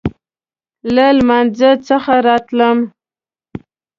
له لمانځه څخه راتلم.